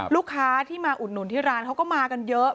ลูกค้าที่มาอุดหนุนที่ร้านเขาก็มากันเยอะ